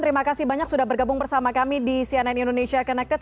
terima kasih banyak sudah bergabung bersama kami di cnn indonesia connected